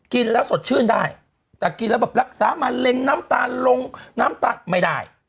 กินแล้วสดชื่นได้แต่กินแล้วแบบรักษามะเร็งน้ำตาลลงน้ำตาลไม่ได้